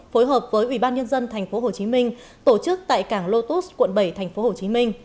phối hợp với ủy ban nhân dân tp hcm tổ chức tại cảng lotus quận bảy tp hcm